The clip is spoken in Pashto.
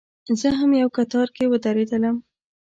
زه هم یو کتار کې ودرېدلم.